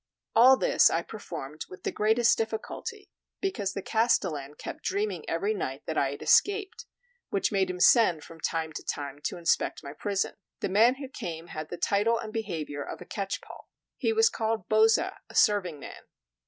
All this I performed with the greatest difficulty, because the castellan kept dreaming every night that I had escaped, which made him send from time to time to inspect my prison. The man who came had the title and behavior of a catchpoll. He was called Bozza, a serving man.